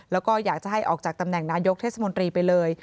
แล้วก็อยากจะให้ออกจากตำแหน่งนายกเทศมนตรีไปเลย